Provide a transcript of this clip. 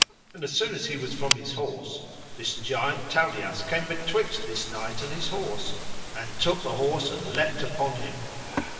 And as soon as he was from his horse this giant Tauleas came betwixt this knight and his horse, and took the horse and leapt upon him.